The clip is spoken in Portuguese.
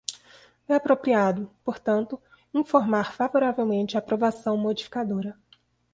É apropriado, portanto, informar favoravelmente a aprovação modificadora.